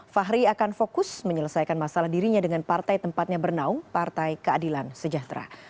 fahri akan fokus menyelesaikan masalah dirinya dengan partai tempatnya bernaung partai keadilan sejahtera